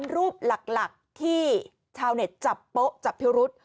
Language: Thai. รูปหลักที่ชาวเน็ตจับโป๊ะจับพิรุษ